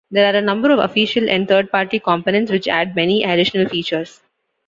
There are a number of official and third-party components which add many additional features.